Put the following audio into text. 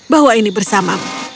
bawa ini bersamamu